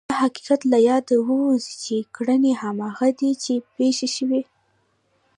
دا حقیقت له یاده ووځي چې کړنې هماغه دي چې پېښې شوې.